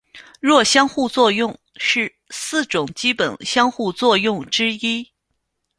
弱相互作用是四种基本相互作用之一。